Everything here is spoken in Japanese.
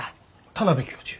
田邊教授？